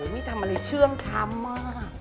โหนี่ทำเลยชื่องช้ำมาก